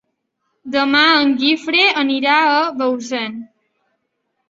Demà en Guifré anirà a Bausen.